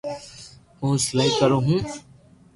ھون سلائي ڪرو ھون